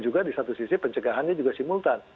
juga di satu sisi pencegahannya juga simultan